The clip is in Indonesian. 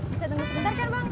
bisa tunggu sebentar kan bang